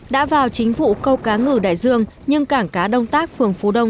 đã vào chính vụ câu cá ngừ đại dương nhưng cảng cá đông tác phường phú đông